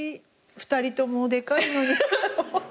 ２人ともでかいのに。